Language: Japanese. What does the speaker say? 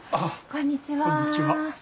こんにちは。